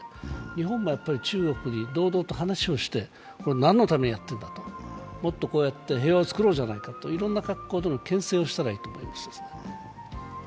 日本が中国に堂々と話をして、これは何のためにやっているんだと、もっと平和をつくろうじゃないかといろんな格好でのけん制をしたらいいと思います。